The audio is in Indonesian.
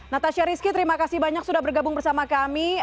natasha rizky terima kasih banyak sudah bergabung bersama kami